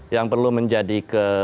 yang perlu menjadi